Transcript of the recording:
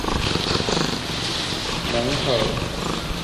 埃代人口变化图示